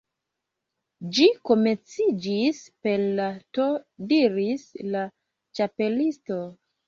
"Ĝi komenciĝis per la T " diris la Ĉapelisto.